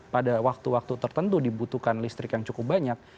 pada waktu waktu tertentu dibutuhkan listrik yang cukup banyak